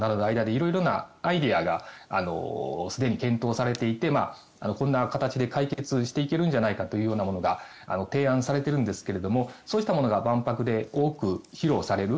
色々なアイデアがすでに検討されていてこんな形で解決していけるんじゃないかというようなものが提案されているんですがそういったものが万博で多く披露される。